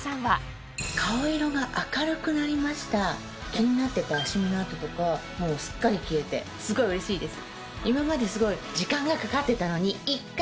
気になってたシミの痕とかもうすっかり消えてすごいうれしいです。